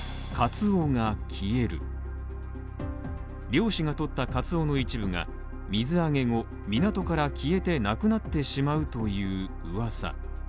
漁師が取ったカツオの一部が、水揚げ後、港から消えてなくなってしまうという噂。